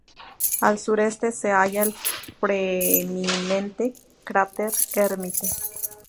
Al sureste se halla el prominente cráter Hermite.